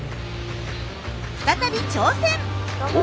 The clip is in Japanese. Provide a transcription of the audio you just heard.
再び挑戦！